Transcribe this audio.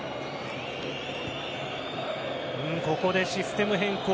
ここでシステム変更。